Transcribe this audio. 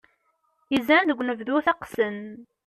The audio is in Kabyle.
Izan deg unebdu teqqsen.